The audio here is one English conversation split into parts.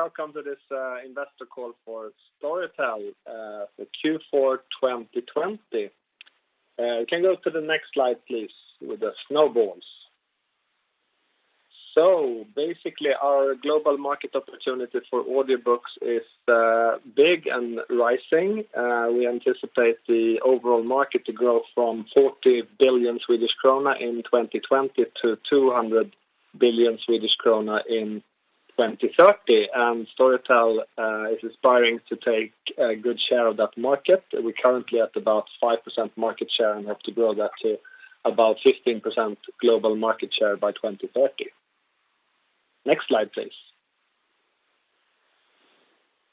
Welcome to this investor call for Storytel for Q4 2020. You can go to the next slide, please, with the snowballs. Basically, our global market opportunity for audiobooks is big and rising. We anticipate the overall market to grow from 40 billion Swedish krona in 2020 to 200 billion Swedish krona in 2030, and Storytel is aspiring to take a good share of that market. We're currently at about 5% market share and have to grow that to about 15% global market share by 2030. Next slide, please.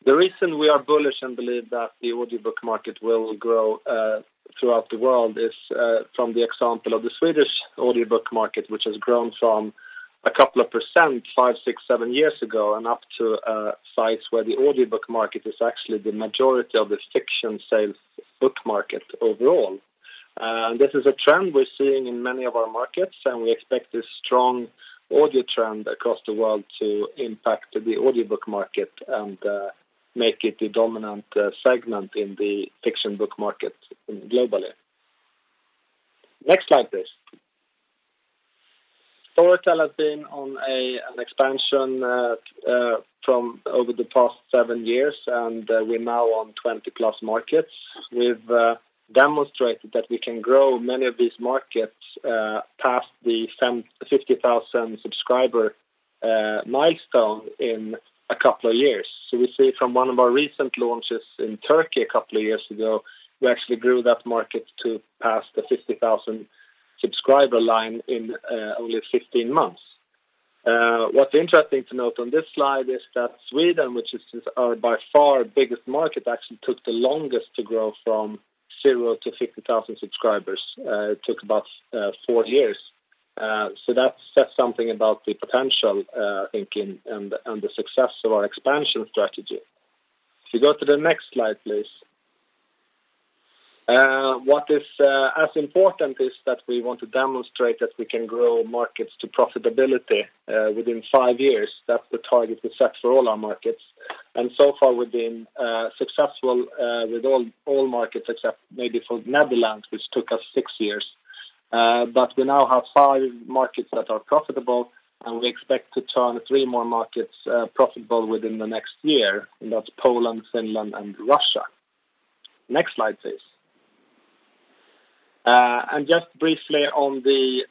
The reason we are bullish and believe that the audiobook market will grow throughout the world is from the example of the Swedish audiobook market, which has grown from a couple of percent five, six, seven years ago, and up to sites where the audiobook market is actually the majority of the fiction sales book market overall. This is a trend we're seeing in many of our markets, and we expect this strong audio trend across the world to impact the audiobook market and make it the dominant segment in the fiction book market globally. Next slide, please. Storytel has been on an expansion over the past seven years, and we're now on 20+ markets. We've demonstrated that we can grow many of these markets past the 50,000-subscriber milestone in a couple of years. We see from one of our recent launches in Turkey a couple of years ago, we actually grew that market to past the 50,000-subscriber line in only 15 months. What's interesting to note on this slide is that Sweden, which is our by far biggest market, actually took the longest to grow from zero to 50,000 subscribers. It took about four years. That says something about the potential, I think, and the success of our expansion strategy. If you go to the next slide, please. What is as important is that we want to demonstrate that we can grow markets to profitability within five years. That's the target we set for all our markets, and so far we've been successful with all markets except maybe for the Netherlands, which took us six years. We now have five markets that are profitable, and we expect to turn three more markets profitable within the next year. That's Poland, Finland, and Russia. Next slide, please. Just briefly on the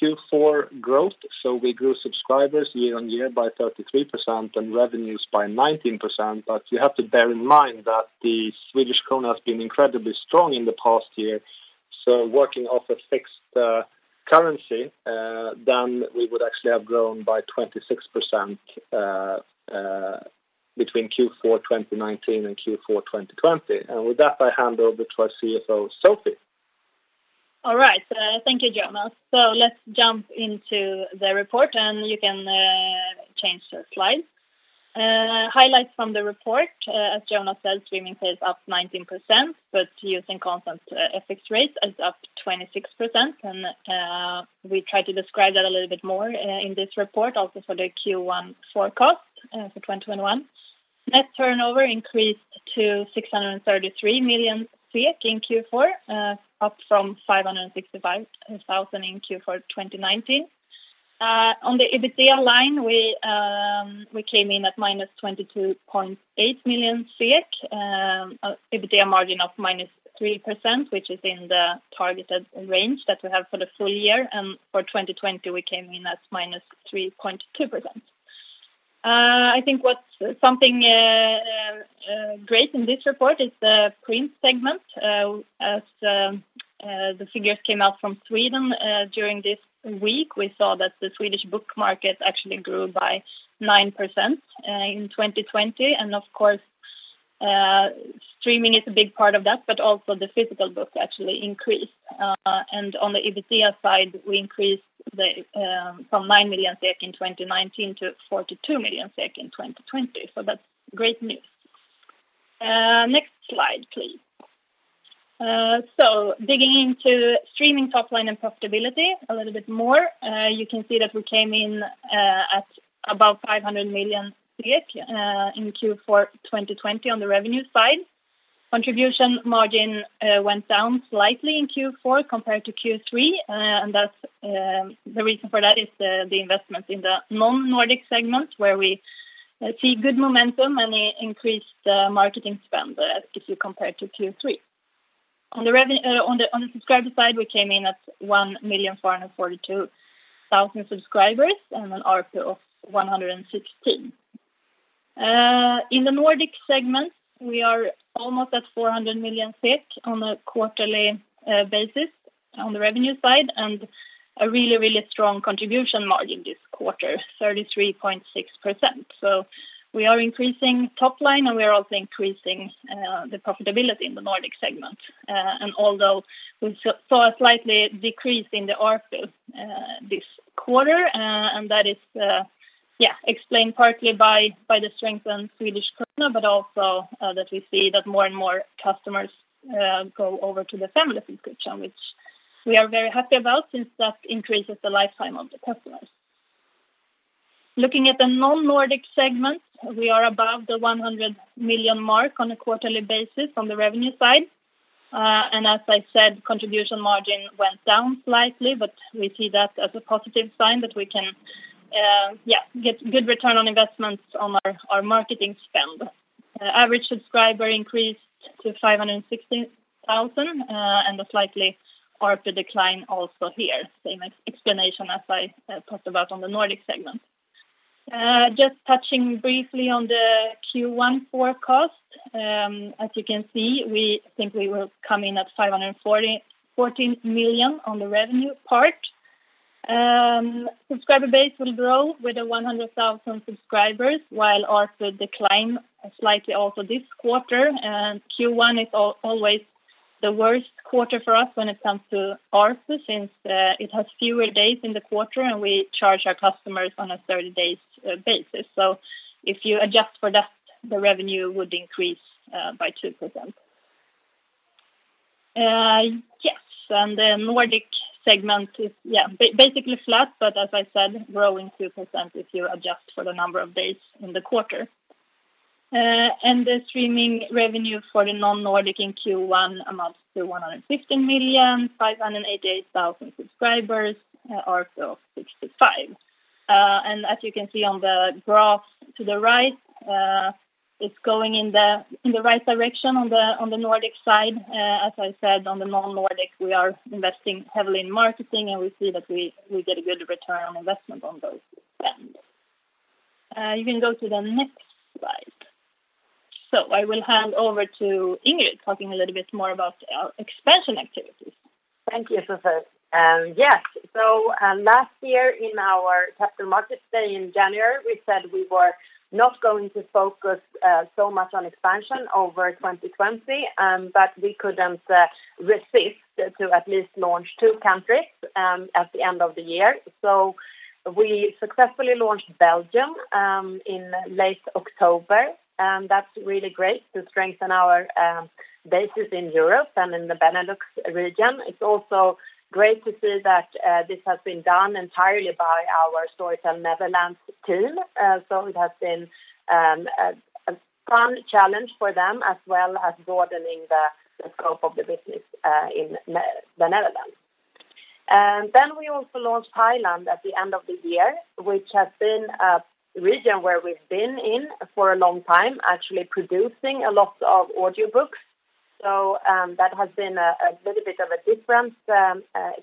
Q4 growth. We grew subscribers year-on-year by 33% and revenues by 19%, but you have to bear in mind that the Swedish krona has been incredibly strong in the past year. Working off a fixed currency, then we would actually have grown by 26% between Q4 2019 and Q4 2020. With that, I hand over to our CFO, Sofie. Thank you, Jonas. Let's jump into the report, and you can change the slide. Highlights from the report, as Jonas said, streaming sales up 19%, but using constant FX rates is up 26%. We try to describe that a little bit more in this report, also for the Q1 forecast for 2021. Net turnover increased to 633 million in Q4, up from 565 million in Q4 2019. On the EBITDA line, we came in at -22.8 million SEK, EBITDA margin of -3%, which is in the targeted range that we have for the full year. For 2020, we came in at -3.2%. I think something great in this report is the print segment, as the figures came out from Sweden during this week. We saw that the Swedish book market actually grew by 9% in 2020. Of course, streaming is a big part of that, but also the physical book actually increased. On the EBITDA side, we increased from 9 million SEK in 2019 to 42 million SEK in 2020. That's great news. Next slide, please. Digging into streaming top line and profitability a little bit more. You can see that we came in at about 500 million in Q4 2020 on the revenue side. Contribution margin went down slightly in Q4 compared to Q3. The reason for that is the investment in the non-Nordic segment, where we see good momentum and increased marketing spend if you compare it to Q3. On the subscriber side, we came in at 1,442,000 subscribers and an ARPU of 116. In the Nordic segment, we are almost at 400 million on a quarterly basis on the revenue side, and a really strong contribution margin this quarter, 33.6%. We are increasing top line and we are also increasing the profitability in the Nordic segment. Although we saw a slight decrease in the ARPU this quarter, that is explained partly by the strength in Swedish krona, but also that we see that more and more customers go over to the family subscription, which we are very happy about since that increases the lifetime of the customers. Looking at the non-Nordic segments, we are above the 100 million mark on a quarterly basis on the revenue side. As I said, contribution margin went down slightly, but we see that as a positive sign that we can, yeah, get good return on investments on our marketing spend. Average subscriber increased to 560,000. A slightly ARPU decline also here. Same explanation as I talked about on the Nordic segment. Just touching briefly on the Q1 forecast. As you can see, we think we will come in at 514 million on the revenue part. Subscriber base will grow with a 100,000 subscribers, while ARPU decline slightly also this quarter. Q1 is always the worst quarter for us when it comes to ARPU since it has fewer days in the quarter, and we charge our customers on a 30-day basis. If you adjust for that, the revenue would increase by 2%. The Nordic segment is basically flat, but as I said, growing 2%, if you adjust for the number of days in the quarter. The streaming revenue for the non-Nordic in Q1 amounts to 115 million, 588,000 subscribers, ARPU of 65. As you can see on the graph to the right, it's going in the right direction on the Nordic side. As I said, on the non-Nordic, we are investing heavily in marketing, and we see that we get a good return on investment on those spends. You can go to the next slide. I will hand over to Ingrid, talking a little bit more about our expansion activities. Thank you, Sofie. Yes. Last year in our Capital Markets Day in January, we said we were not going to focus so much on expansion over 2020, but we couldn't resist to at least launch two countries at the end of the year. We successfully launched Belgium in late October. That's really great to strengthen our bases in Europe and in the Benelux region. It's also great to see that this has been done entirely by our Storytel Netherlands team. It has been a fun challenge for them, as well as broadening the scope of the business in the Netherlands. We also launched Thailand at the end of the year, which has been a region where we've been in for a long time, actually producing a lot of audiobooks. That has been a little bit of a different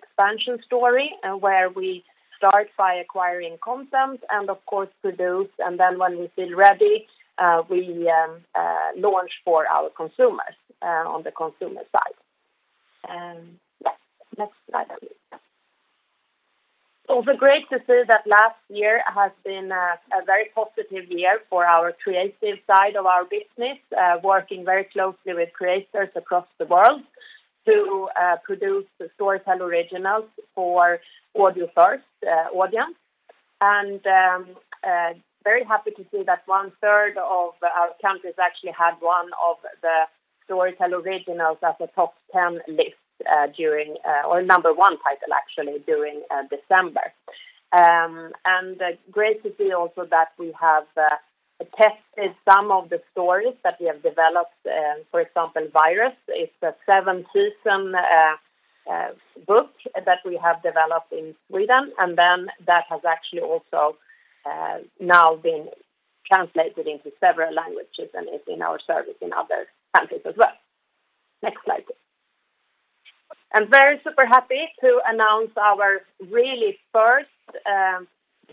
expansion story where we start by acquiring content and, of course, produce. When we feel ready, we launch for our consumers on the consumer side. Next slide, please. Also great to see that last year has been a very positive year for our creative side of our business, working very closely with creators across the world to produce the Storytel Originals for audio-first audience. Very happy to see that 1/3 of our countries actually had one of the Storytel Originals at the top 10 list or number one title, actually, during December. Great to see also that we have tested some of the stories that we have developed. For example, Virus. It's a seven-season book that we have developed in Sweden. That has actually also now been translated into several languages and is in our service in other countries as well. Next slide, please. Very super happy to announce our really first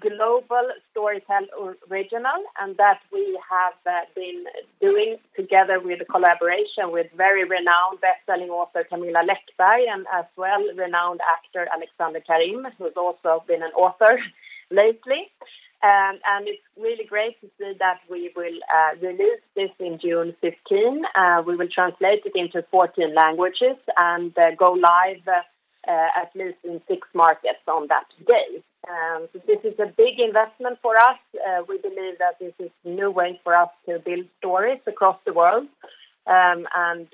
global Storytel Original, and that we have been doing together with a collaboration with very renowned bestselling author, Camilla Läckberg, and as well, renowned actor, Alexander Karim, who's also been an author lately. It's really great to see that we will release this on June 15. We will translate it into 14 languages and go live at least in six markets on that day. This is a big investment for us. We believe that this is a new way for us to build stories across the world, and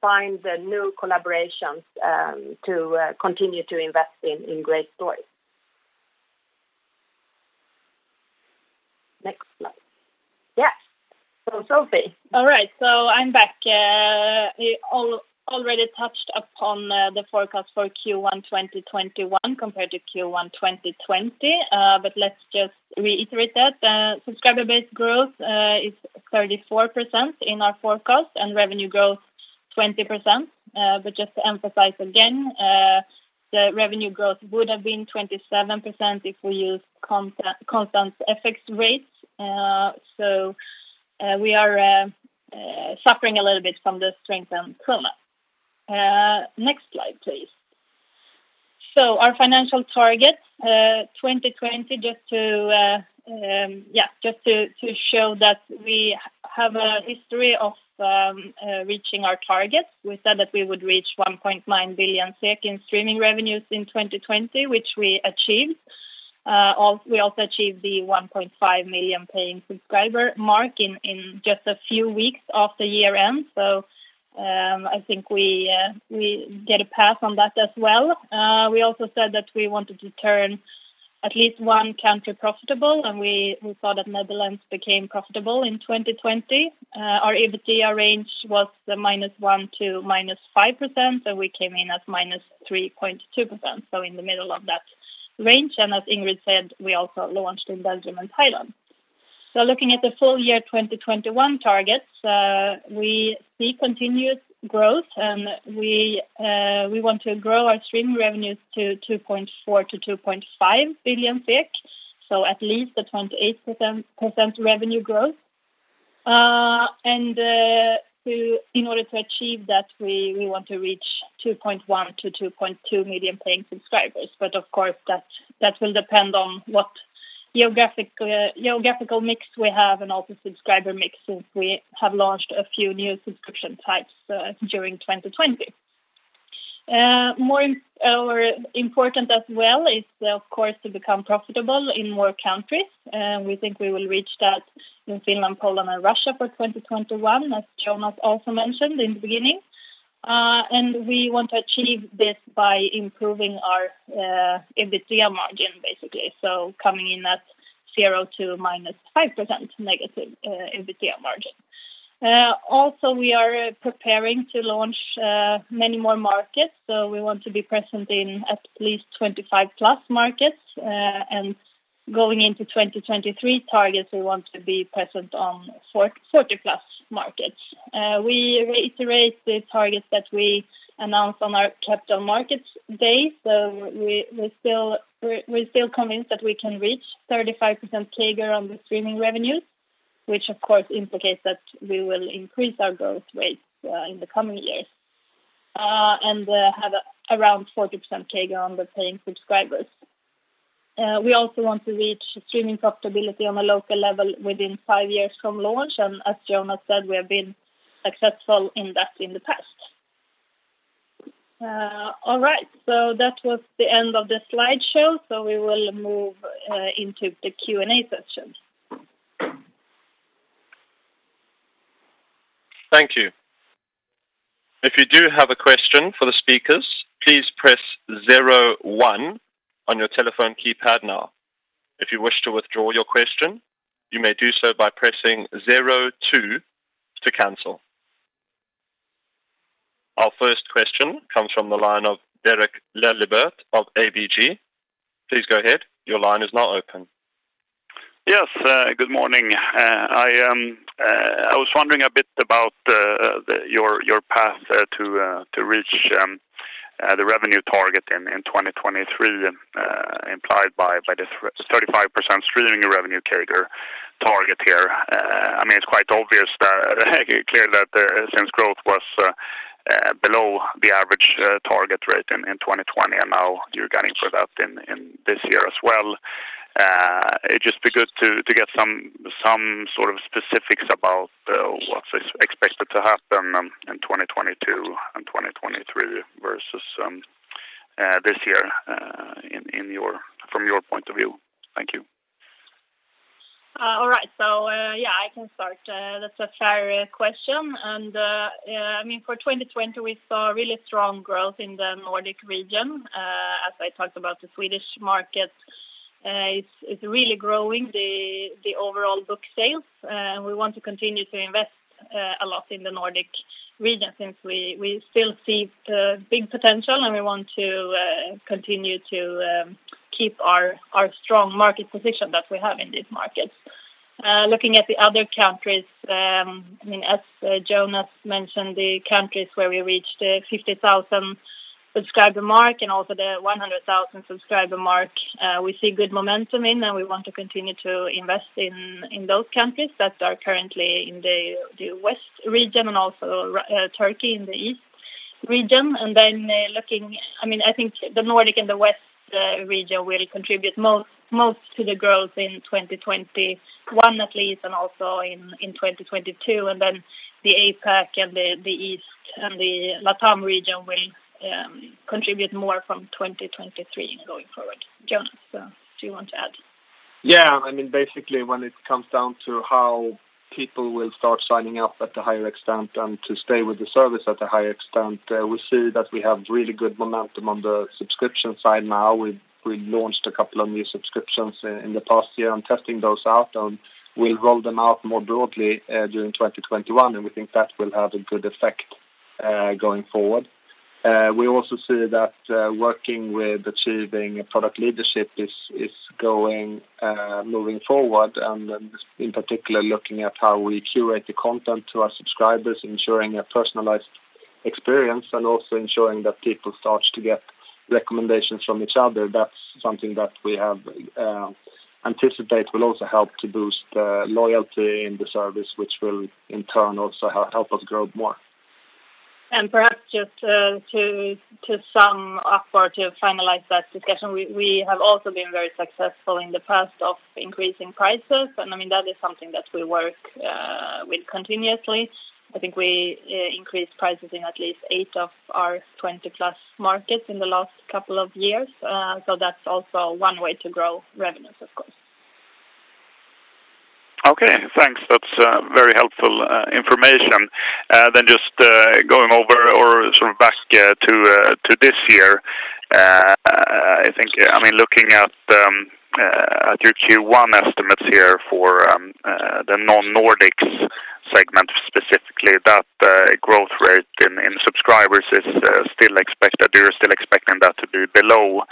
find new collaborations to continue to invest in great stories. Next slide. Yes. Sofie. All right. I'm back. We already touched upon the forecast for Q1 2021 compared to Q1 2020. Let's just reiterate that. Subscriber base growth is 34% in our forecast, and revenue growth 20%. Just to emphasize again, the revenue growth would have been 27% if we use constant FX rates. We are suffering a little bit from the strength on krona. Next slide, please. Our financial targets 2020, just to show that we have a history of reaching our targets. We said that we would reach 1.9 billion SEK in streaming revenues in 2020, which we achieved. We also achieved the 1.5 million paying subscriber mark in just a few weeks after year-end. I think we get a pass on that as well. We also said that we wanted to turn at least one country profitable, and we saw that Netherlands became profitable in 2020. Our EBITDA range was the -1% to -5%. We came in at -3.2%, in the middle of that range. As Ingrid said, we also launched in Belgium and Thailand. Looking at the full year 2021 targets, we see continuous growth, and we want to grow our streaming revenues to 2.4 billion-2.5 billion. At least a 28% revenue growth. In order to achieve that, we want to reach 2.1 million-2.2 million paying subscribers. Of course, that will depend on what geographical mix we have and also subscriber mix, since we have launched a few new subscription types during 2020. More important as well is, of course, to become profitable in more countries. We think we will reach that in Finland, Poland, and Russia for 2021, as Jonas also mentioned in the beginning. We want to achieve this by improving our EBITDA margin, basically. Coming in at zero to -5% negative EBITDA margin. We are preparing to launch many more markets. We want to be present in at least 25+ markets. Going into 2023 targets, we want to be present on 40+ markets. We reiterate the targets that we announced on our Capital Markets Day. We're still convinced that we can reach 35% CAGR on the streaming revenues, which of course, indicates that we will increase our growth rate in the coming years and have around 40% CAGR on the paying subscribers. We also want to reach streaming profitability on a local level within five years from launch. As Jonas said, we have been successful in that in the past. All right. That was the end of the slideshow, so we will move into the Q&A session. Thank you. If you do have a question for the speakers, please press zero, one on your telephone keypad now. If you wish to withdraw your question, you may do so by pressing zero, two to cancel. Our first question comes from the line of Derek Laliberté of ABG. Please go ahead. Your line is now open. Yes. Good morning. I was wondering a bit about your path to reach the revenue target in 2023 implied by the 35% streaming revenue CAGR target here. It's quite obviously clear that since growth was below the average target rate in 2020, and now you're gunning for that in this year as well. It'd just be good to get some sort of specifics about what's expected to happen in 2022 and 2023 versus this year from your point of view. Thank you. All right. Yeah, I can start. That's a fair question. For 2020, we saw really strong growth in the Nordic region. As I talked about the Swedish market, it's really growing the overall book sales. We want to continue to invest a lot in the Nordic region since we still see big potential, and we want to continue to keep our strong market position that we have in these markets. Looking at the other countries, as Jonas mentioned, the countries where we reached the 50,000 subscriber mark and also the 100,000 subscriber mark, we see good momentum in and we want to continue to invest in those countries that are currently in the West region and also Turkey in the East region. Then I think the Nordic and the West region will contribute most to the growth in 2021 at least and also in 2022. The APAC and the East and the LATAM region will contribute more from 2023 going forward. Jonas, do you want to add? Basically, when it comes down to how people will start signing up at the higher extent and to stay with the service at a higher extent, we see that we have really good momentum on the subscription side now. We've launched a couple of new subscriptions in the past year and testing those out. We'll roll them out more broadly during 2021. We think that will have a good effect going forward. We also see that working with achieving product leadership is moving forward. In particular, looking at how we curate the content to our subscribers, ensuring a personalized experience and also ensuring that people start to get recommendations from each other. That's something that we anticipate will also help to boost loyalty in the service which will in turn also help us grow more. Perhaps just to sum up or to finalize that discussion, we have also been very successful in the past of increasing prices, and that is something that we work with continuously. I think we increased prices in at least eight of our 20+ markets in the last couple of years. That's also one way to grow revenues, of course. Okay, thanks. That's very helpful information. Just going over or back to this year. Looking at your Q1 estimates here for the non-Nordics segment, specifically that growth rate in subscribers, you're still expecting that to be below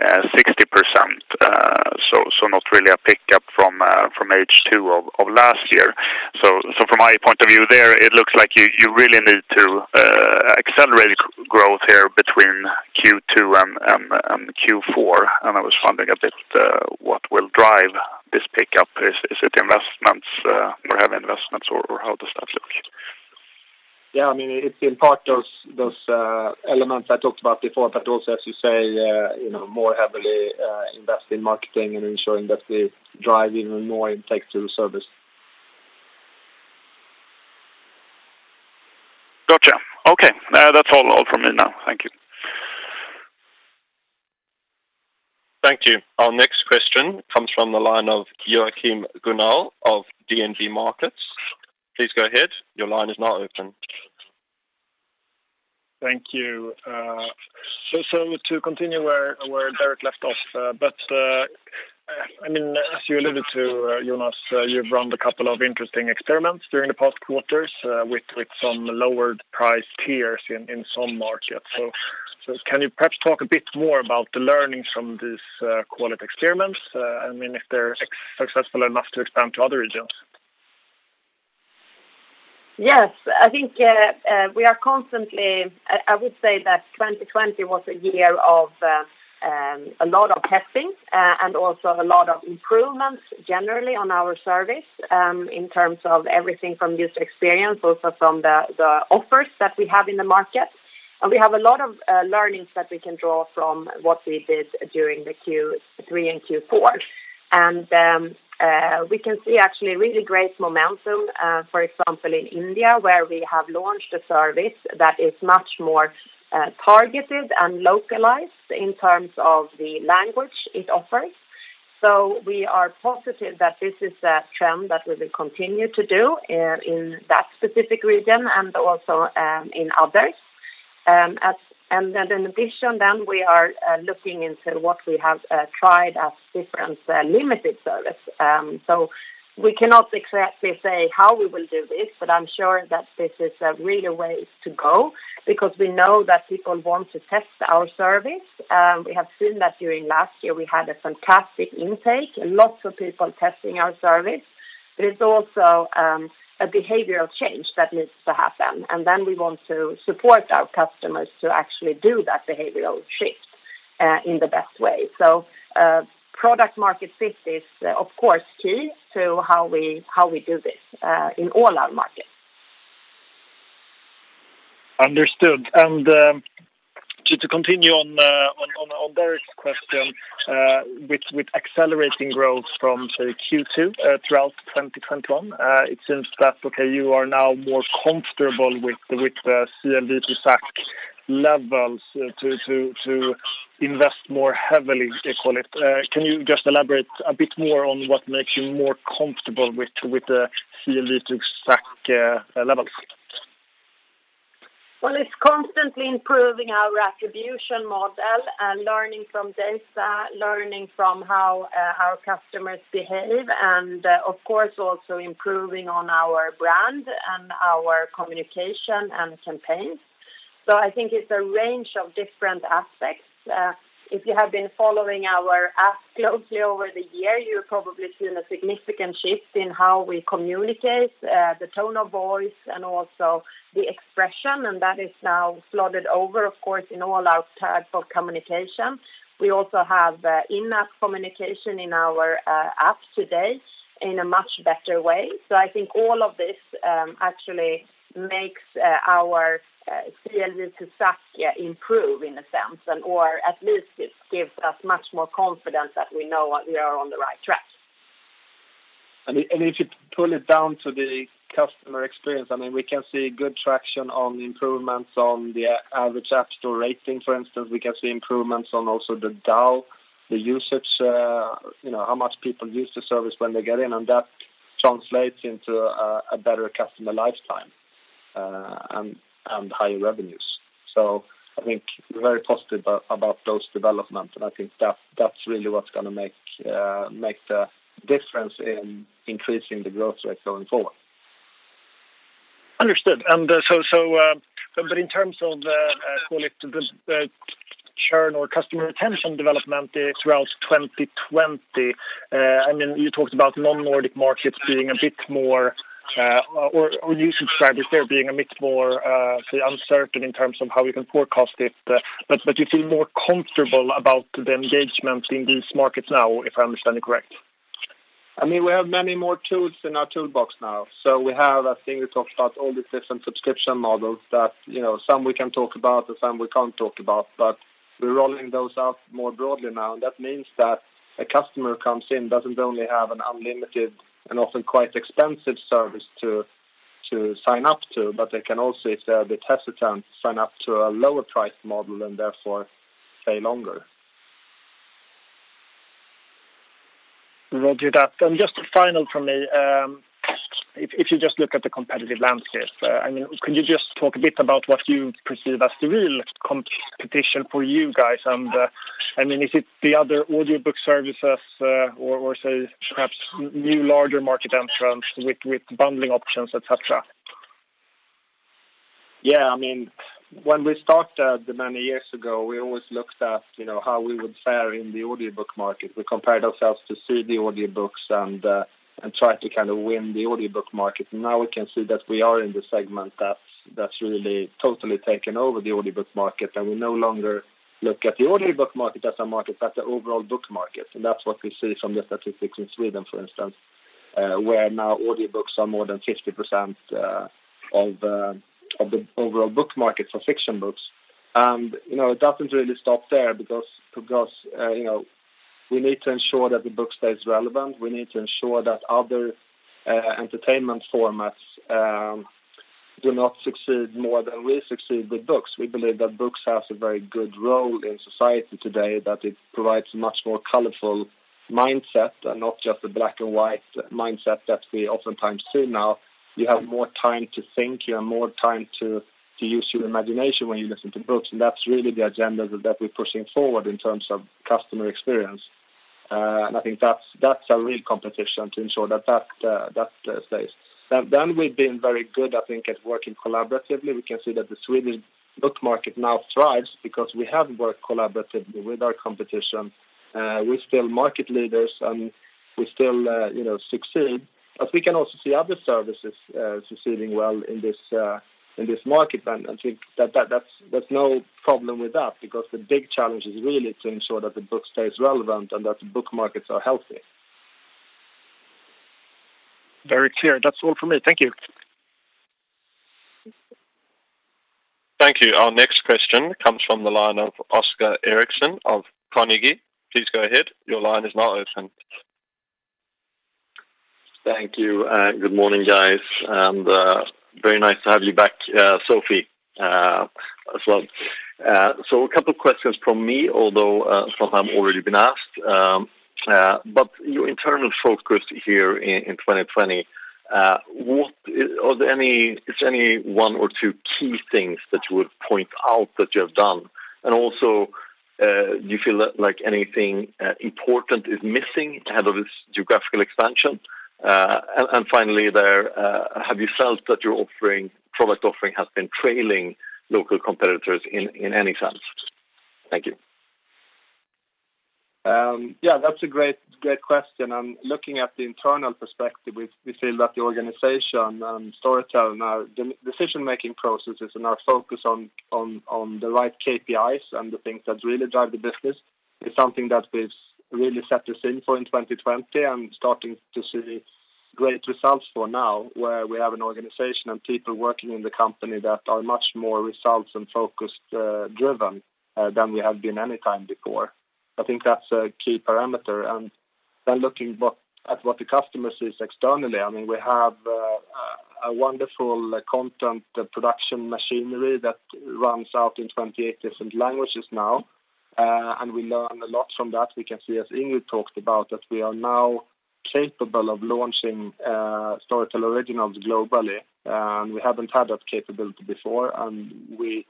60%. Not really a pickup from H2 of last year. From my point of view there, it looks like you really need to accelerate growth here between Q2 and Q4. I was wondering a bit what will drive this pickup. Is it more heavy investments or how does that look? Yeah. It's in part those elements I talked about before, but also, as you say, more heavily invest in marketing and ensuring that we drive even more intake to the service. Got you. Okay. That's all from me now. Thank you. Thank you. Our next question comes from the line of Joachim Gunell of DNB Markets. Please go ahead. Thank you. To continue where Derek left off. As you alluded to, Jonas, you've run a couple of interesting experiments during the past quarters, with some lowered price tiers in some markets. Can you perhaps talk a bit more about the learnings from these call it experiments? If they're successful enough to expand to other regions? Yes. I would say that 2020 was a year of a lot of testing and also a lot of improvements generally on our service, in terms of everything from user experience, also from the offers that we have in the market. We have a lot of learnings that we can draw from what we did during the Q3 and Q4. We can see actually really great momentum, for example, in India, where we have launched a service that is much more targeted and localized in terms of the language it offers. We are positive that this is a trend that we will continue to do, in that specific region and also in others. In addition then we are looking into what we have tried as different limited service. We cannot exactly say how we will do this, but I'm sure that this is really a way to go, because we know that people want to test our service. We have seen that during last year, we had a fantastic intake, lots of people testing our service. There is also a behavioral change that needs to happen. Then we want to support our customers to actually do that behavioral shift in the best way. Product market fit is of course key to how we do this in all our markets. Understood. To continue on Derek's question with accelerating growth from, say, Q2 throughout 2021. It seems that okay, you are now more comfortable with the CLTV SAC levels to invest more heavily, call it. Can you just elaborate a bit more on what makes you more comfortable with the CLV to SAC levels? Well, it's constantly improving our attribution model and learning from data, learning from how our customers behave, and of course also improving on our brand and our communication and campaigns. I think it's a range of different aspects. If you have been following our app closely over the year, you've probably seen a significant shift in how we communicate, the tone of voice and also the expression, and that is now flooded over, of course, in all our types of communication. We also have in-app communication in our app today in a much better way. I think all of this actually makes our CLV to SAC improve in a sense, or at least it gives us much more confidence that we know we are on the right track. If you pull it down to the customer experience, we can see good traction on improvements on the average app store rating, for instance. We can see improvements on also the DAU, the usage, how much people use the service when they get in, and that translates into a better customer lifetime and higher revenues. I think we're very positive about those developments, and I think that's really what's going to make the difference in increasing the growth rate going forward. Understood. In terms of, call it the churn or customer retention development throughout 2020. You talked about non-Nordic markets or new subscribers there being a bit more, say, uncertain in terms of how we can forecast it. You feel more comfortable about the engagement in these markets now, if I understand you correctly? We have many more tools in our toolbox now. I think we talked about all the different subscription models that some we can talk about and some we can't talk about, but we're rolling those out more broadly now. That means that a customer comes in doesn't only have an unlimited and often quite expensive service to sign up to, but they can also, if they're a bit hesitant, sign up to a lower price model and therefore stay longer. Roger that. Just final from me. If you just look at the competitive landscape, can you just talk a bit about what you perceive as the real competition for you guys? Is it the other audiobook services or say perhaps new larger market entrants with bundling options, et cetera? Yeah. When we started many years ago, we always looked at how we would fare in the audiobook market. We compared ourselves to CD audiobooks and tried to win the audiobook market. Now we can see that we are in the segment that's really totally taken over the audiobook market, and we no longer look at the audiobook market as a market, but the overall book market. That's what we see from the statistics in Sweden, for instance, where now audiobooks are more than 50% of the overall book market for fiction books. It doesn't really stop there because we need to ensure that the book stays relevant. We need to ensure that other entertainment formats do not succeed more than we succeed with books. We believe that books have a very good role in society today, that it provides a much more colorful mindset and not just the black and white mindset that we oftentimes see now. You have more time to think, you have more time to use your imagination when you listen to books, and that's really the agenda that we're pushing forward in terms of customer experience. I think that's a real competition to ensure that that stays. We've been very good, I think, at working collaboratively. We can see that the Swedish book market now thrives because we have worked collaboratively with our competition. We're still market leaders, and we still succeed. We can also see other services succeeding well in this market. I think that there's no problem with that because the big challenge is really to ensure that the book stays relevant and that the book markets are healthy. Very clear. That's all from me. Thank you. Thank you. Our next question comes from the line of Oscar Erixon of Carnegie. Please go ahead. Your line is now open. Thank you. Good morning, guys, and very nice to have you back, Sofie, as well. A couple questions from me, although some have already been asked. Your internal focus here in 2020, are there any one or two key things that you would point out that you have done? Also, do you feel like anything important is missing ahead of this geographical expansion? Finally there, have you felt that your product offering has been trailing local competitors in any sense? Thank you. Yeah, that's a great question, and looking at the internal perspective, we feel that the organization and Storytel and our decision-making processes and our focus on the right KPIs and the things that really drive the business is something that we've really set the scene for in 2020 and starting to see great results for now, where we have an organization and people working in the company that are much more results and focused driven than we have been any time before. I think that's a key parameter. Looking at what the customer sees externally, we have a wonderful content production machinery that runs out in 28 different languages now, and we learn a lot from that. We can see, as Ingrid talked about, that we are now capable of launching Storytel Originals globally, and we haven't had that capability before. We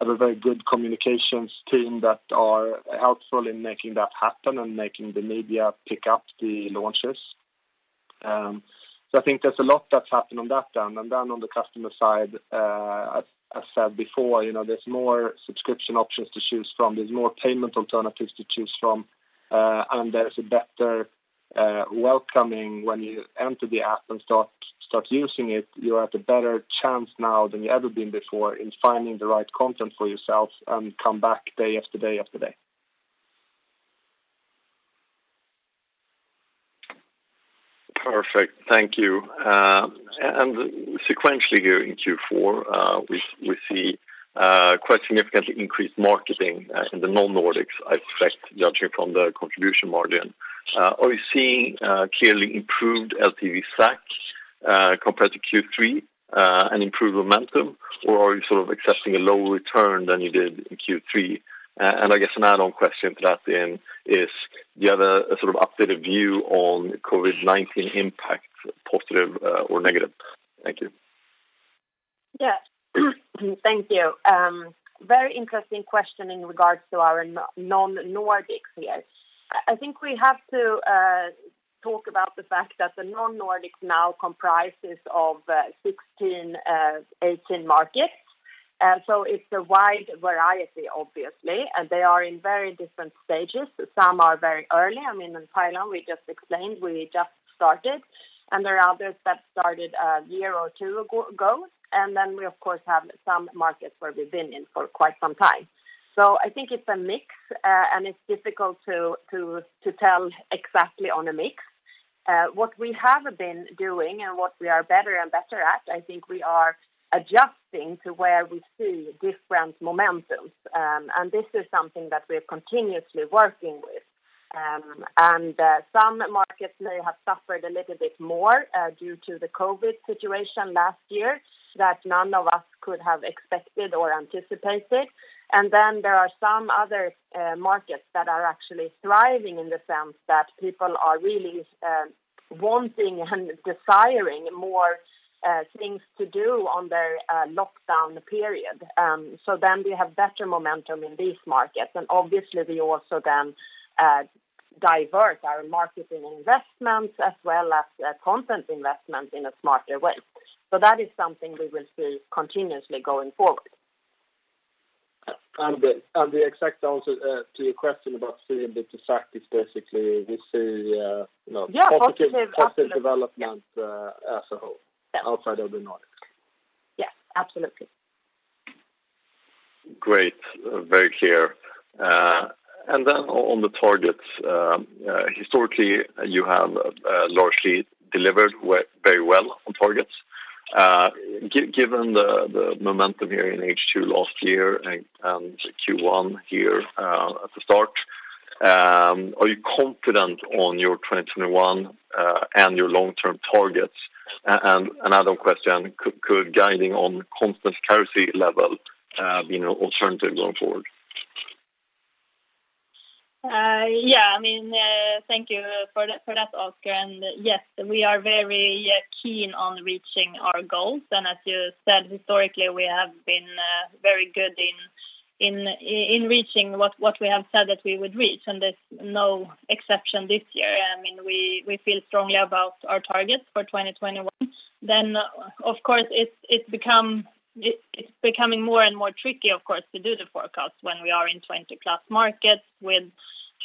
have a very good communications team that are helpful in making that happen and making the media pick up the launches. I think there's a lot that's happened on that end. On the customer side, as I said before, there's more subscription options to choose from, there's more payment alternatives to choose from, and there is a better welcoming when you enter the app and start using it. You have a better chance now than you've ever been before in finding the right content for yourself and come back day after day after day. Perfect. Thank you. Sequentially here in Q4, we see quite significantly increased marketing in the non-Nordics, I suspect, judging from the contribution margin. Are you seeing clearly improved LTV SAC compared to Q3 and improved momentum, or are you sort of accepting a lower return than you did in Q3? I guess an add-on question to that then is, do you have a sort of updated view on COVID-19 impact, positive or negative? Thank you. Yeah. Thank you. Very interesting question in regards to our non-Nordics here. I think we have to talk about the fact that the non-Nordics now comprises of 16 markets, 18 markets. It's a wide variety, obviously, they are in very different stages. Some are very early. In Thailand, we just explained, we just started, there are others that started a year or two ago. We, of course, have some markets where we've been in for quite some time. I think it's a mix. It's difficult to tell exactly on a mix. What we have been doing and what we are better and better at, I think we are adjusting to where we see different momentums. This is something that we are continuously working with. Some markets may have suffered a little bit more due to the COVID situation last year that none of us could have expected or anticipated. Then there are some other markets that are actually thriving in the sense that people are really wanting and desiring more things to do on their lockdown period. Then we have better momentum in these markets, and obviously we also then divert our marketing investments as well as content investments in a smarter way. That is something we will see continuously going forward. The exact answer to your question about seeing the fact is basically. Yeah, positive. Positive development as a whole, outside of the Nordics. Yes, absolutely. Great. Very clear. On the targets, historically, you have largely delivered very well on targets. Given the momentum here in H2 last year and Q1 here at the start, are you confident on your 2021 and your long-term targets? Another question, could guiding on constant currency level be an alternative going forward? Yeah, thank you for that, Oscar. Yes, we are very keen on reaching our goals. As you said, historically, we have been very good in reaching what we have said that we would reach, and there's no exception this year. We feel strongly about our targets for 2021. Of course, it's becoming more and more tricky, of course, to do the forecast when we are in 20+ markets with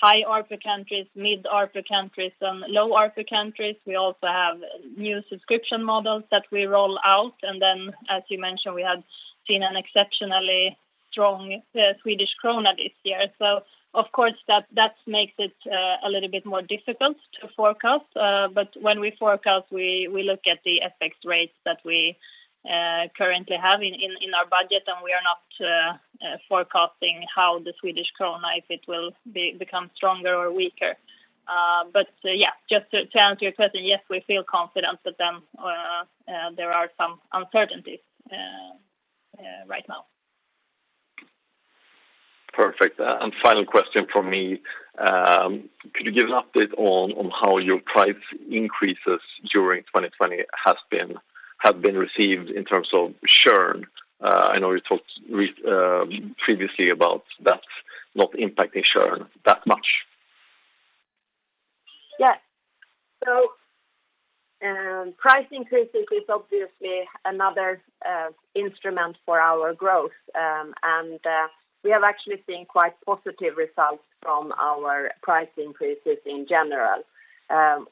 high ARPU countries, mid ARPU countries, and low ARPU countries. We also have new subscription models that we roll out, and then as you mentioned, we have seen an exceptionally strong Swedish krona this year. Of course, that makes it a little bit more difficult to forecast. When we forecast, we look at the FX rates that we currently have in our budget, and we are not forecasting how the Swedish krona, if it will become stronger or weaker. Yeah, just to answer your question, yes, we feel confident, but then there are some uncertainties right now. Perfect. Final question from me. Could you give an update on how your price increases during 2020 have been received in terms of churn? I know you talked previously about that not impacting churn that much. Yes. Price increases is obviously another instrument for our growth, and we have actually seen quite positive results from our price increases in general.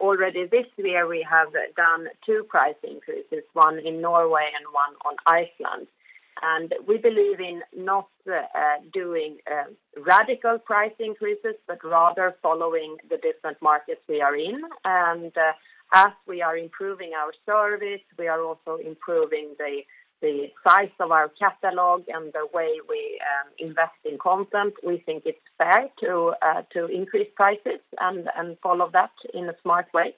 Already this year, we have done two price increases, one in Norway and one on Iceland. We believe in not doing radical price increases, but rather following the different markets we are in. As we are improving our service, we are also improving the size of our catalog and the way we invest in content. We think it's fair to increase prices and follow that in a smart way.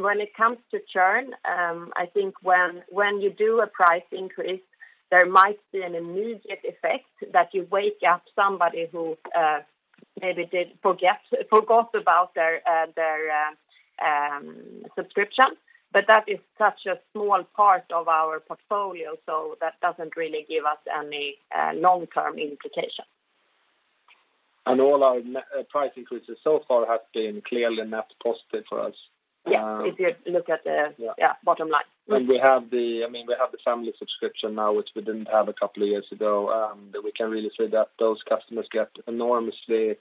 When it comes to churn, I think when you do a price increase, there might be an immediate effect that you wake up somebody who maybe forgot about their subscription. That is such a small part of our portfolio, so that doesn't really give us any long-term implication. All our price increases so far have been clearly net positive for us. Yeah, if you look at the bottom line. We have the family subscription now, which we didn't have a couple of years ago. We can really say that those customers get enormously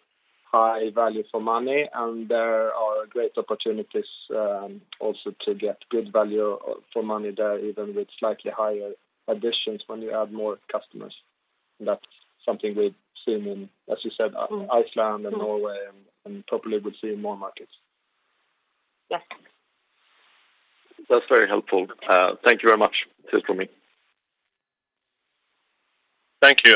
high value for money, and there are great opportunities also to get good value for money there, even with slightly higher additions when you add more customers. That's something we've seen in, as you said, Iceland and Norway, and probably we'll see in more markets. Yes. That's very helpful. Thank you very much. That's it from me. Thank you.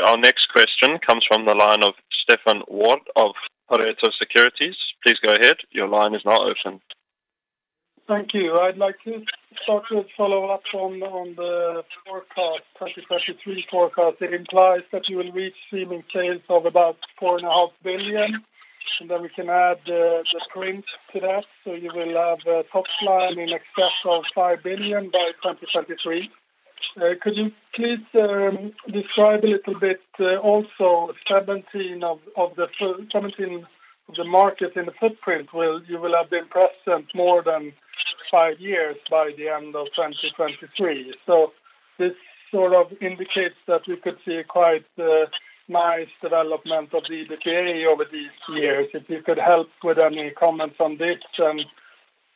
Our next question comes from the line of Stefan Wård of Pareto Securities. Please go ahead. Your line is now open. Thank you. I'd like to start with a follow-up on the 2023 forecast. It implies that you will reach streaming sales of about 4.5 billion, and then we can add the print to that. You will have a top line in excess of 5 billion by 2023. Could you please describe a little bit also 17 of the markets in the footprint where you will have been present more than five years by the end of 2023. This sort of indicates that we could see quite nice development of the EBITDA over these years. If you could help with any comments on this and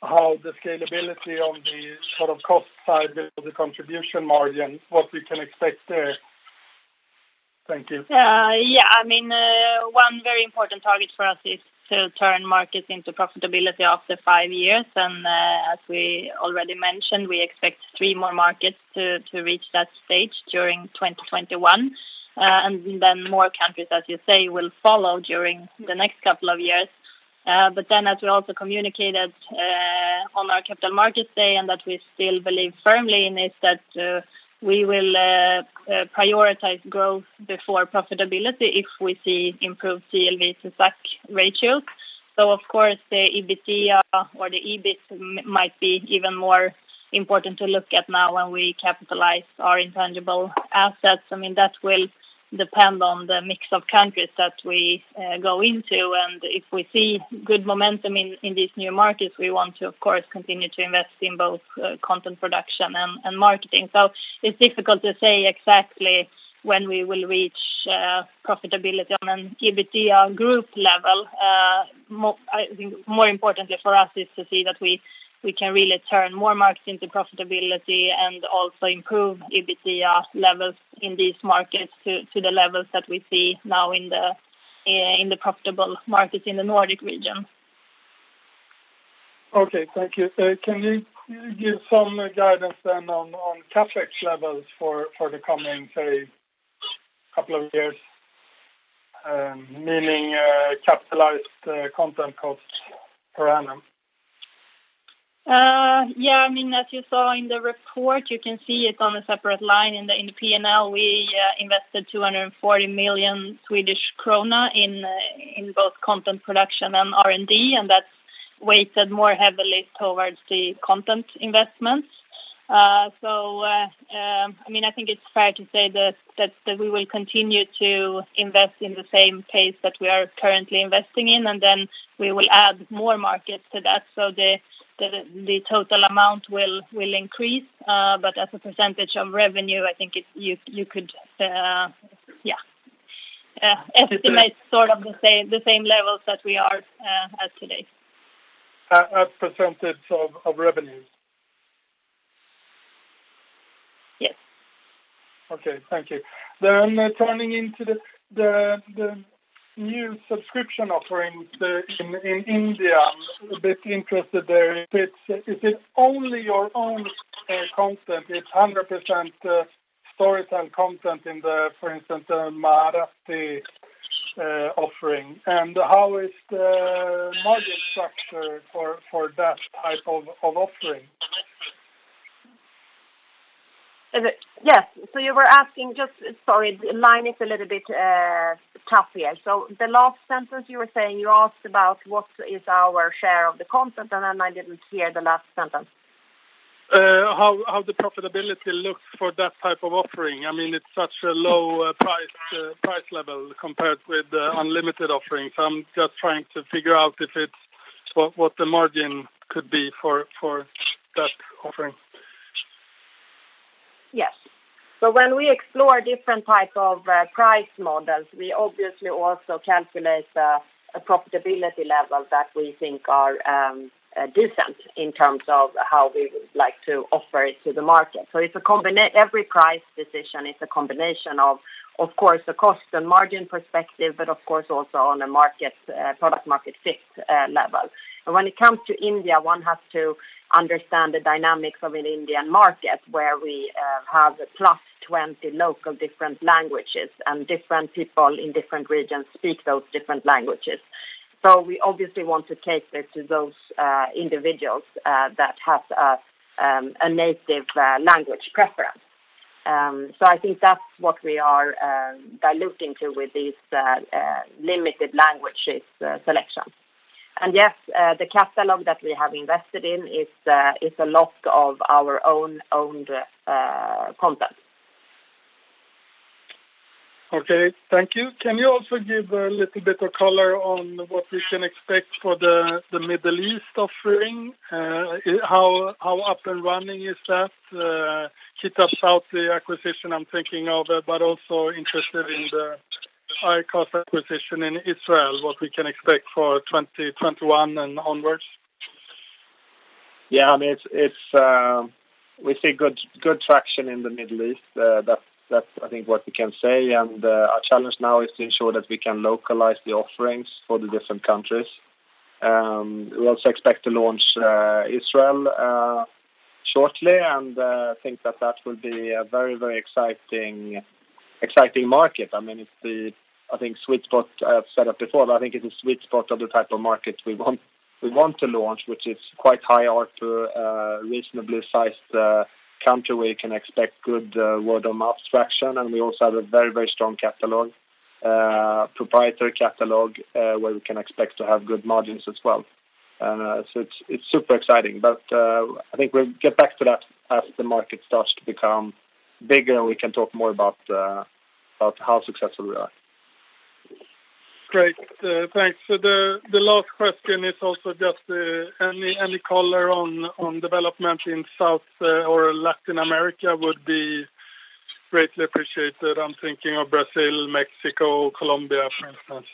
how the scalability on the cost side builds the contribution margin, what we can expect there? Thank you. Yeah. One very important target for us is to turn markets into profitability after five years. As we already mentioned, we expect three more markets to reach that stage during 2021. More countries, as you say, will follow during the next couple of years. As we also communicated on our Capital Markets Day, and that we still believe firmly in, is that we will prioritize growth before profitability if we see improved CLTV to SAC ratio. Of course, the EBITDA or the EBIT might be even more important to look at now when we capitalize our intangible assets. That will depend on the mix of countries that we go into. If we see good momentum in these new markets, we want to, of course, continue to invest in both content production and marketing. It's difficult to say exactly when we will reach profitability on an EBITDA group level. I think more importantly for us is to see that we can really turn more markets into profitability and also improve EBITDA levels in these markets to the levels that we see now in the profitable markets in the Nordic region. Okay, thank you. Can you give some guidance then on CapEx levels for the coming, say, couple of years? Meaning capitalized content cost per annum. Yeah. As you saw in the report, you can see it on a separate line in the P&L. We invested 240 million Swedish krona in both content production and R&D, and that's weighted more heavily towards the content investments. I think it's fair to say that we will continue to invest in the same pace that we are currently investing in, and then we will add more markets to that so the total amount will increase. As a percentage of revenue, I think you could estimate the same levels that we are at today. A percentage of revenue? Yes. Okay. Thank you. Turning into the new subscription offerings in India. A bit interested there, is it only your own content? It's 100% Storytel content in the, for instance, Marathi offering? How is the margin structure for that type of offering? Yes. Sorry, the line is a little bit tough here. The last sentence you were saying, you asked about what is our share of the content, and then I didn't hear the last sentence. How the profitability looks for that type of offering. It's such a low price level compared with the unlimited offerings. I'm just trying to figure out what the margin could be for that offering. When we explore different types of price models, we obviously also calculate a profitability level that we think are decent in terms of how we would like to offer it to the market. Every price decision is a combination of course, the cost and margin perspective, but of course also on a product market fit level. When it comes to India, one has to understand the dynamics of an Indian market where we have plus 20 local different languages, and different people in different regions speak those different languages. We obviously want to take this to those individuals that have a native language preference. I think that's what we are diluting to with these limited languages selection. Yes, the catalog that we have invested in is a lot of our own-owned content. Okay, thank you. Can you also give a little bit of color on what we can expect for the Middle East offering? How up and running is that? [Kitab Sawti] acquisition, I'm thinking of, but also interested in the iCast acquisition in Israel, what we can expect for 2021 and onwards. Yeah. We see good traction in the Middle East. That's I think what we can say. Our challenge now is to ensure that we can localize the offerings for the different countries. We also expect to launch Israel shortly. I think that that will be a very exciting market. I think sweet spot, I've said it before, but I think it's a sweet spot of the type of markets we want to launch, which is quite high ARPU, reasonably sized country where you can expect good word-of-mouth traction. We also have a very strong proprietary catalog, where we can expect to have good margins as well. It's super exciting. I think we'll get back to that as the market starts to become bigger, and we can talk more about how successful we are. Great. Thanks. The last question is also just any color on development in South or Latin America would be greatly appreciated. I'm thinking of Brazil, Mexico, Colombia, for instance.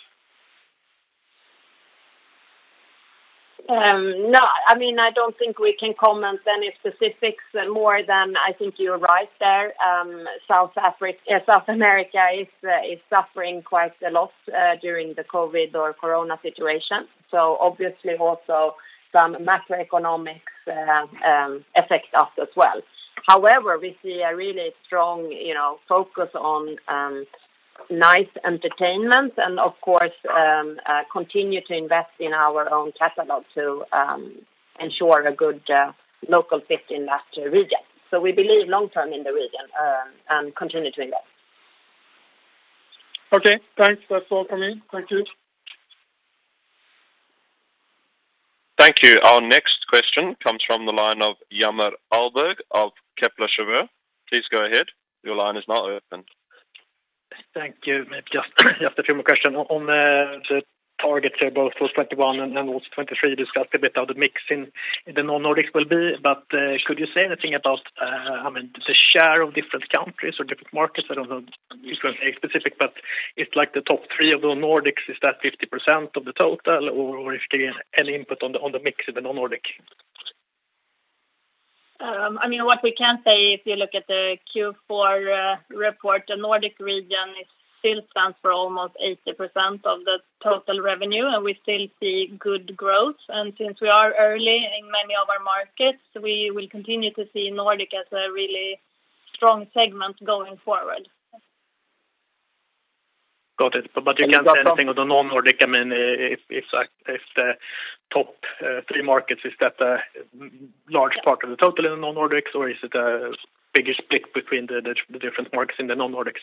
No, I don't think we can comment any specifics more than I think you're right there. South America is suffering quite a lot during the COVID-19 or corona situation. Obviously also some macroeconomics affect us as well. However, we see a really strong focus on nice entertainment and of course, continue to invest in our own catalog to ensure a good local fit in that region. We believe long-term in the region and continue to invest. Okay, thanks. That's all from me. Thank you. Thank you. Our next question comes from the line of Hjalmar Ahlberg of Kepler Cheuvreux. Please go ahead. Your line is now open. Thank you. Maybe just a few more questions. On the targets here, both for 2021 and then also 2023, you discussed a bit how the mix in the non-Nordics will be, but could you say anything about the share of different countries or different markets? I don't know if you can be specific, but it's like the top three of the Nordics, is that 50% of the total, or if there is any input on the mix of the non-Nordic? What we can say, if you look at the Q4 report, the Nordic region still stands for almost 80% of the total revenue, and we still see good growth. Since we are early in many of our markets, we will continue to see Nordic as a really strong segment going forward. Got it. You can't say anything on the non-Nordic? If the top three markets, is that a large part of the total in the non-Nordics, or is it a bigger split between the different markets in the non-Nordics?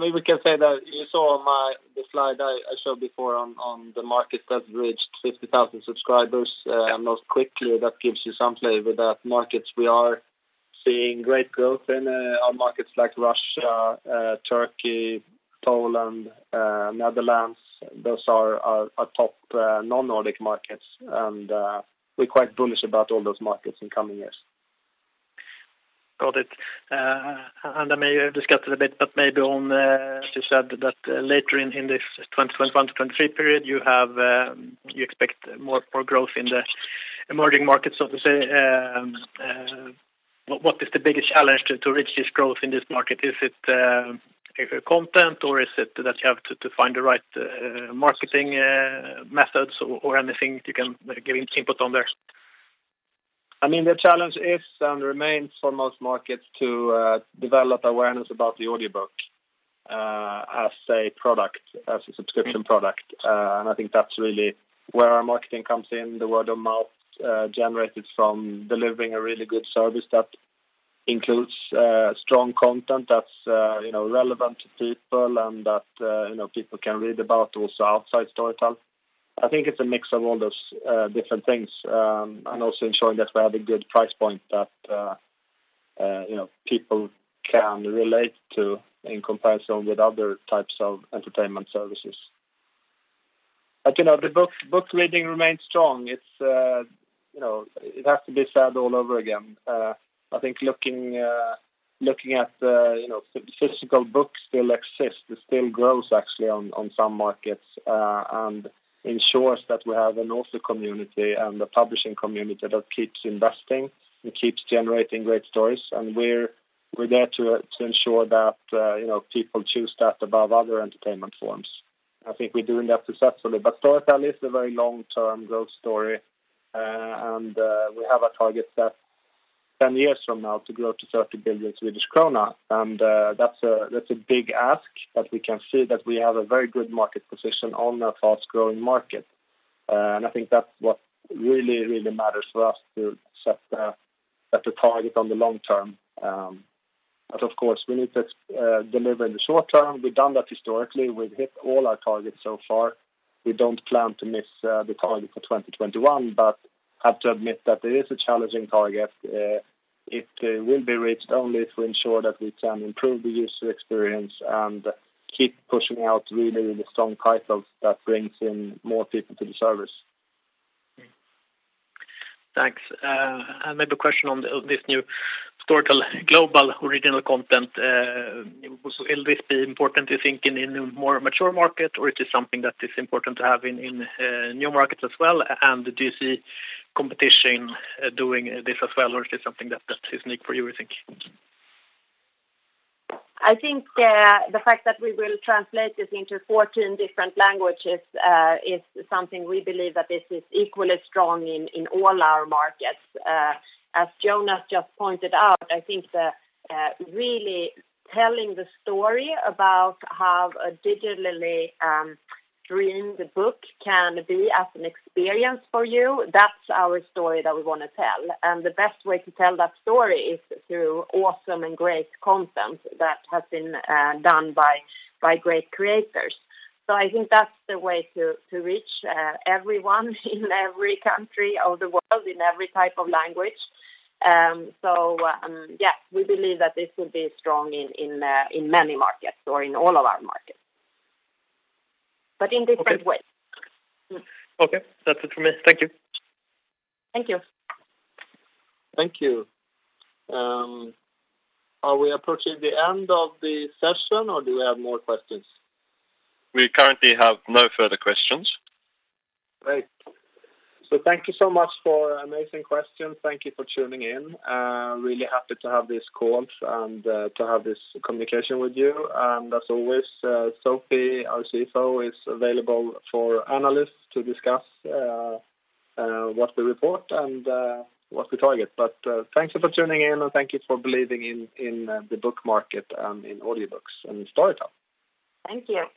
We can say that you saw the slide I showed before on the market that reached 50,000 subscribers most quickly. That gives you some flavor that markets we are seeing great growth in are markets like Russia, Turkey, Poland, Netherlands. Those are our top non-Nordic markets, and we're quite bullish about all those markets in coming years. Got it. I may have discussed it a bit, but maybe on, as you said, that later in this 2021-2023 period, you expect more growth in the emerging markets, so to say. What is the biggest challenge to reach this growth in this market? Is it content, or is it that you have to find the right marketing methods or anything you can give input on there? The challenge is and remains for most markets to develop awareness about the audiobook as a subscription product. I think that's really where our marketing comes in, the word of mouth generated from delivering a really good service that includes strong content that's relevant to people and that people can read about also outside Storytel. I think it's a mix of all those different things, and also ensuring that we have a good price point that people can relate to in comparison with other types of entertainment services. Book reading remains strong. It has to be said all over again. I think looking at physical books still exist. It still grows actually on some markets and ensures that we have an author community and a publishing community that keeps investing and keeps generating great stories. We're there to ensure that people choose that above other entertainment forms. I think we're doing that successfully. Storytel is a very long-term growth story, we have a target that 10 years from now to grow to 30 billion Swedish krona. That's a big ask, but we can see that we have a very good market position on a fast-growing market. I think that's what really matters for us to set the target on the long term. Of course, we need to deliver in the short term. We've done that historically. We've hit all our targets so far. We don't plan to miss the target for 2021, but I have to admit that it is a challenging target. It will be reached only if we ensure that we can improve the user experience and keep pushing out really the strong titles that brings in more people to the service. Thanks. Maybe a question on this new Storytel Global original content? Will this be important, you think, in a more mature market, or it is something that is important to have in new markets as well? Do you see competition doing this as well, or is this something that is unique for you think? I think the fact that we will translate this into 14 different languages is something we believe that this is equally strong in all our markets. As Jonas just pointed out, I think really telling the story about how a digitally streamed book can be as an experience for you, that's our story that we want to tell. The best way to tell that story is through awesome and great content that has been done by great creators. I think that's the way to reach everyone in every country of the world, in every type of language. Yeah, we believe that this will be strong in many markets or in all of our markets, but in different ways. Okay. That's it from me. Thank you. Thank you. Thank you. Are we approaching the end of the session, or do we have more questions? We currently have no further questions. Great. Thank you so much for amazing questions. Thank you for tuning in. Really happy to have this call and to have this communication with you. As always, Sofie, our CFO, is available for analysts to discuss what's the report and what's the target. Thank you for tuning in, and thank you for believing in the book market and in audiobooks and in Storytel. Thank you.